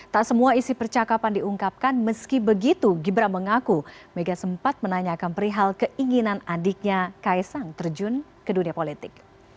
tak semua isi percakapan diungkapkan meski begitu gibran mengaku mega sempat menanyakan perihal keinginan adiknya kaisang terjun ke dunia politik